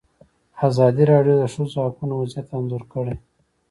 ازادي راډیو د د ښځو حقونه وضعیت انځور کړی.